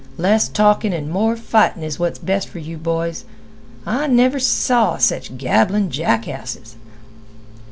Less talkin' an' more fightin' is what's best for you boys. I never saw sech gabbling jackasses."